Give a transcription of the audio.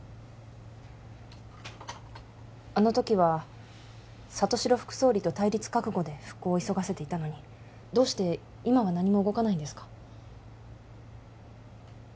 あの時は里城副総理と対立覚悟で復興を急がせていたのにどうして今は何も動かないんですか？